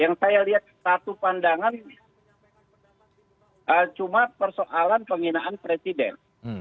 yang saya lihat satu pandangan cuma persoalan penghinaan presiden